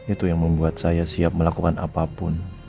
itu yang membuat saya siap melakukan apapun